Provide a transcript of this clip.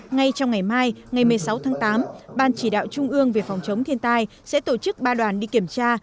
ngay trong ngày mai ngày một mươi sáu tháng tám ban chỉ đạo trung ương về phòng chống thiên tai sẽ tổ chức ba đoàn đi kiểm tra